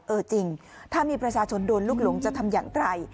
เออจริงถ้ามีประชาชนโดนลูกหลงจะทำอย่างไร